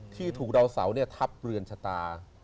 ที่ถูกดาวเสาทับเรือนชะตา